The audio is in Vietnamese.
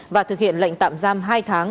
và thực hiện lệnh tạm giam hai tháng